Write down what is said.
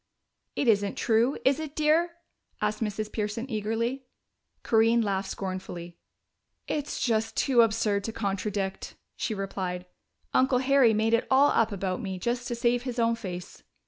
"It isn't true, is it, dear?" asked Mrs. Pearson eagerly. Corinne laughed scornfully. "It's just too absurd to contradict," she replied. "Uncle Harry made it all up about me just to save his own face."